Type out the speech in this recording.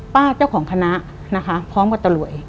เจ้าของคณะนะคะพร้อมกับตลวย